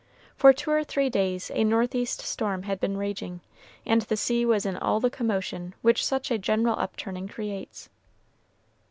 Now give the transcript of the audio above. For two or three days a northeast storm had been raging, and the sea was in all the commotion which such a general upturning creates.